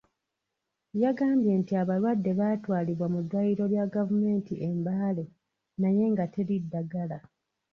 Yagambye nti abalwadde baatwalibwa mu ddwaliro lya gavumenti e Mbale naye nga teri ddagala.